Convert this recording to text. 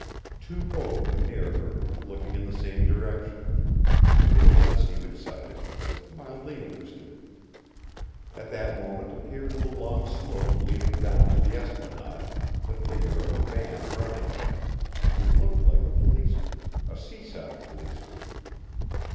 Two boatmen near her were looking in the same direction. They did not seem excited, just mildly interested. At that moment appeared on the long slope leading down to the esplanade the figure of a man running. He looked like a policeman a sea side policeman.